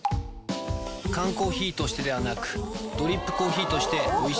缶コーヒーとしてではなくドリップコーヒーとしておいしい。